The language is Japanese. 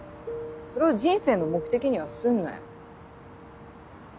それを人生の目的にはすんなよ。